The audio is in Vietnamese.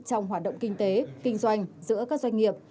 trong hoạt động kinh tế kinh doanh giữa các doanh nghiệp